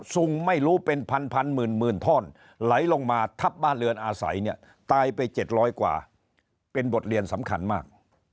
ซุงไม่รู้เป็นพันหมื่นท่อนไหลลงมาทับบ้านเรือนอาศัยเนี่ยตายไป๗๐๐กว่าเป็นบทเรียนสำคัญมาก